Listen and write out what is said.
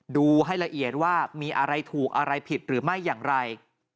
ดูให้ละเอียดว่ามีอะไรถูกอะไรผิดหรือไม่อย่างไร